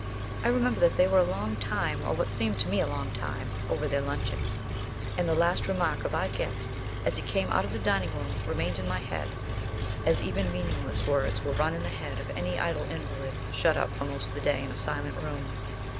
I remember that they were a long time, or what seemed to me a long time, over their luncheon; and the last remark of our guest as he came out of the dining room remained in my head as even meaningless words will run in the head of any idle invalid shut up for most of the day in a silent room.